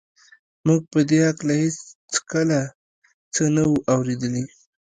موږ په دې هکله هېڅکله څه نه وو اورېدلي